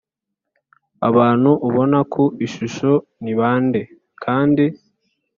Abantu ubona ku ishusho ni bande kandi